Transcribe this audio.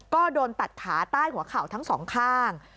ก็โดนตัดขาใต้หัวเข่าทั้งสองข้าง